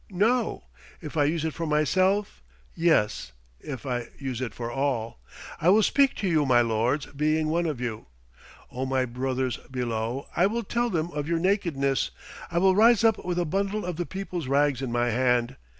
No, if I use it for myself; yes, if I use it for all. I will speak to you, my lords, being one of you. O my brothers below, I will tell them of your nakedness. I will rise up with a bundle of the people's rags in my hand.